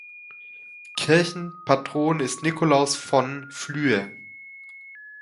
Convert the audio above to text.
Kirchenpatron ist Nikolaus von Flüe.